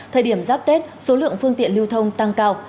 thời điểm giáp tết số lượng phương tiện lưu thông tăng cao